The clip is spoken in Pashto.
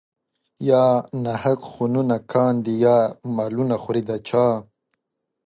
يا ناحق خونونه کاندي يا مالونه خوري د چا